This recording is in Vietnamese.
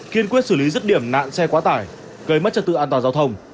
kiên quyết xử lý rứt điểm nạn xe quá tải gây mất trật tự an toàn giao thông